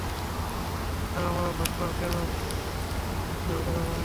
আর আমরা ডগ পার্কে না পৌঁছানো অবধি তুই অপেক্ষা কর, বন্ধু।